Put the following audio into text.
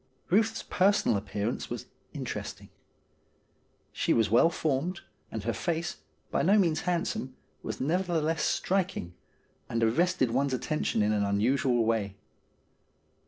Euth's personal appearance was interesting. She was well formed, and her face, by no means handsome, was neverthe less striking, and arrested one's attention in an unusual way.